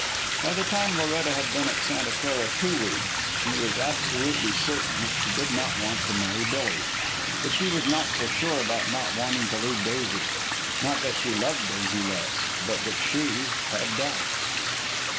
By the time Loretta had been at Santa Clara two weeks, she was absolutely certain that she did not want to marry Billy. But she was not so sure about not wanting to leave Daisy. Not that she loved Daisy less, but that she had doubts.